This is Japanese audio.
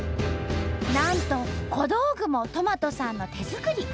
なんと小道具もとまとさんの手作り！